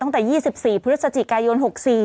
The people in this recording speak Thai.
ตั้งแต่๒๔พฤศจิกายน๖๔